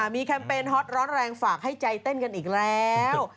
มีแคมเปญฮอตร้อนแรงฝากให้ใจเต้นกันอีกแล้ว